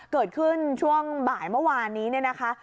เกิดขึ้นช่วงบ่ายเมื่อวานนี้เนี่ยนะคะ